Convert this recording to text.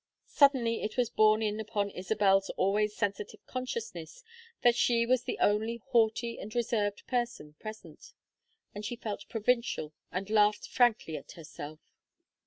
Suddenly it was borne in upon Isabel's always sensitive consciousness that she was the only haughty and reserved person present, and she felt provincial and laughed frankly at herself.